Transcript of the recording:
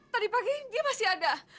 tadi pagi dia masih ada